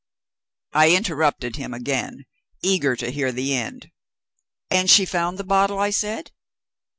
I interrupted him again, eager to hear the end. "And she found the bottle?" I said.